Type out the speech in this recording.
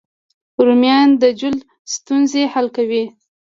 رومیان د جلد ستونزې حل کوي